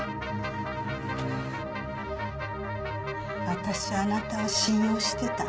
私はあなたを信用してた。